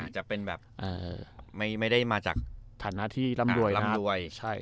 จะเป็นแบบไม่ได้มาจากฐานะที่รำดวยนะ